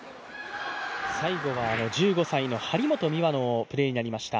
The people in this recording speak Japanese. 最後は１５歳の張本美和のプレーになりました。